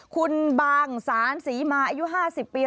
คุณบางสารศรีมาอายุ๕๐ปี